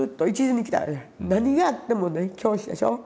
何があってもね教師でしょ。